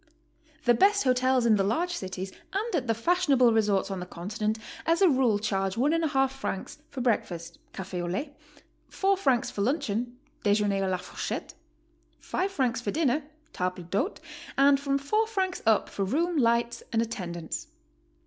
The best hotels in the large cities and at the fashionable resorts on the Continent as a rule charge francs for breakfast (cafe au hit), 4 francs for luncheon (dejeuner a la fourcliette), 5 francs for dinner (table d'hote), and from 4 francs up for room, lights, and attendance.